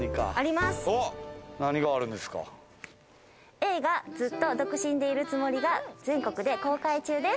映画『ずっと独身でいるつもり？』が全国で公開中です。